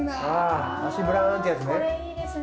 足ブラーンってやつね。